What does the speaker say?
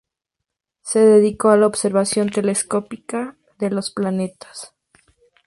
Se dedicó a la observación telescópica de los planetas.